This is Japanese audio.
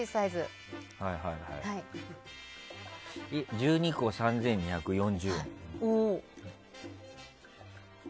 １２個３２４０円。